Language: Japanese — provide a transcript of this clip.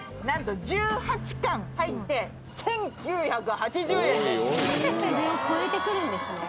何と１８貫入って１，９８０円です。